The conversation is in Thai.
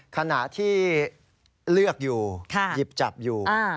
ขณะที่เลือกอยู่หยิบจับอยู่